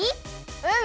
うん！